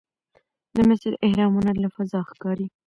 د مصر اهرامونه له فضا ښکاري.